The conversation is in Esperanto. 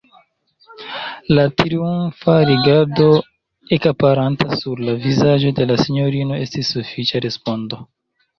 La triumfa rigardo ekaperanta sur la vizaĝo de la sinjorino estis sufiĉa respondo.